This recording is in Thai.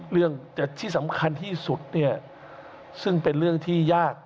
ที่สำคัญที่สุดเนี่ยซึ่งเป็นเรื่องที่ยาก